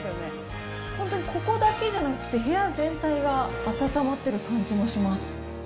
本当に、ここだけじゃなくて、部屋全体が暖まってる感じもします。